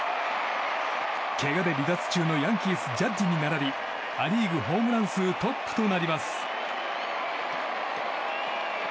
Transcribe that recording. けがで離脱中のヤンキース、ジャッジに並びア・リーグホームラン数トップとなります。